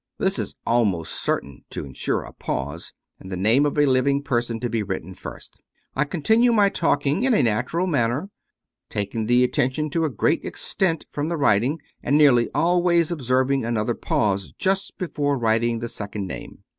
This is almost certain to insure a pause, and the name of a living person to be written first. I con tinue my talking in a natural manner, taking the attention 256 David P. Abbott to a great extent from the writing, and nearly always ob serving another pause just before writing the second name.